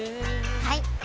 はい！